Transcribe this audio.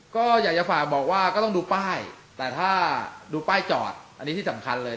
ก็อยากจะฝากบอกว่าก็ต้องดูป้ายแต่ถ้าดูป้ายจอดอันนี้ที่สำคัญเลย